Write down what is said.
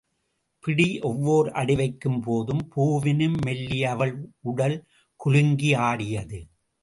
பிடி ஒவ்வோர் அடிவைக்கும் போதும் பூவினும் மெல்லிய அவள் உடல் குலுங்கி ஆடியது.